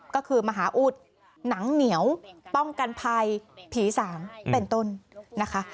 ก็คือมหาอุดหนังเหนียวป้องกันภัยผีสางเป็นต้นนะคะ